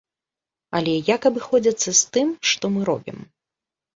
Але як абыходзяцца з тым, што мы робім?